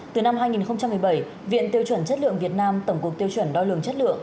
từ năm hai nghìn một mươi bảy viện tiêu chuẩn chất lượng việt nam tổng cục tiêu chuẩn đo lường chất lượng